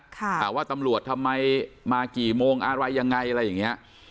แต่ว่าตำรวจทำไมมากี่โมงอะไรยังไงอะไรอย่างเงี้ย